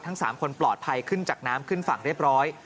ทั้ง๓คนปลอดภัยขึ้นจากน้ำขึ้นฝั่งเรียบร้อย